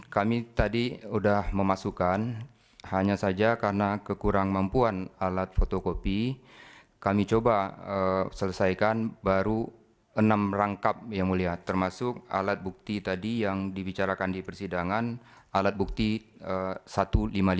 kami tadi sudah memasukkan hanya saja karena kekurang mampuan alat fotokopi kami coba selesaikan baru enam rangkap yang mulia termasuk alat bukti tadi yang dibicarakan di persidangan alat bukti satu ratus lima puluh delapan